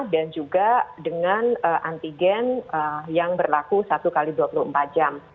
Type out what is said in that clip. dan juga dengan antigen yang berlaku satu x dua puluh empat jam